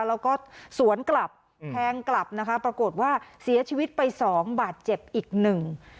แล้วก็สวนกลับแทงกลับนะคะปรากฏว่าเสียชีวิตไปสองบาทเจ็บอีกหนึ่ง